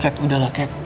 kat udahlah kat